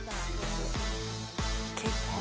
結構。